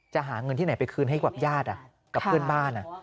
หาเงินที่ไหนไปคืนให้กับญาติกับเพื่อนบ้าน